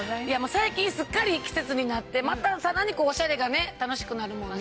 最近すっかりいい季節になってまたさらにオシャレが楽しくなるもんね。